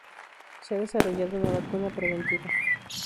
Se ha desarrollado una vacuna preventiva.